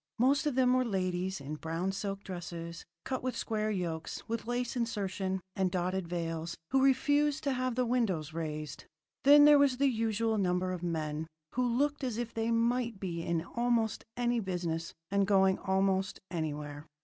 Most of them were ladies in brown silk dresses cut with square yokes, with lace insertion, and dotted veils, who refused to have the windows raised. Then there was the usual number of men who looked as if they might be in almost any business and going almost anywhere.